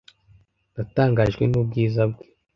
Natangajwe n'ubwiza bwe.